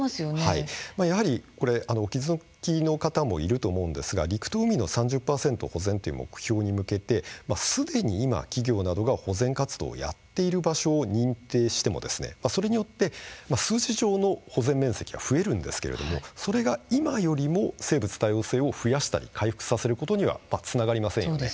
やはりお気付きの方もいると思うんですが陸と海の３０％の保全という目標に向けてすでに今企業などが保全活動をやっている場所を認定しても、それによって数字上の保全面積が増えるんですけれどもそれが今よりも生物多様性を増やしたり回復させたりすることにはつながりませんよね。